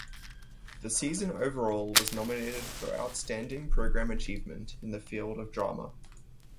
The season overall was nominated for Outstanding Program Achievement in the Field of Drama.